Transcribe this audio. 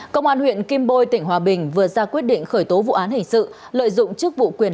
công an huyện kim bôi tỉnh hòa bình vừa ra quyết định khởi tố vụ án hình sự lợi dụng chức vụ quyền